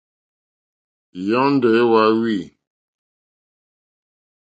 Yɔ́ndɔ̀ é wáwî.